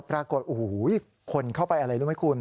ปรากฏโอ้โหคนเข้าไปอะไรรู้ไหมคุณ